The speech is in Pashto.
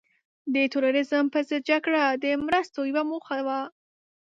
د تروریزم په ضد جګړه د مرستو یوه موخه وه.